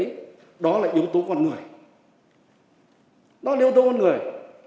đó là yếu tố con người đó là yếu tố con người